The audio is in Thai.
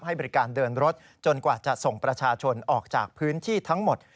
ให้บริการเดินรถจนกว่าจะส่งประชาชนออกจากพื้นที่ทั้งหมด